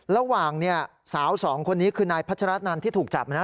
ระหว่างสาวสองคนนี้คือนายพัชรนันที่ถูกจับนะ